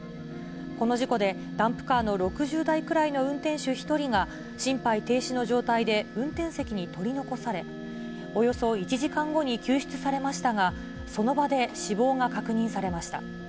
この事故で、ダンプカーの６０代くらいの運転手１人が心肺停止の状態で運転席に取り残され、およそ１時間後に救出されましたが、その場で死亡が確認されました。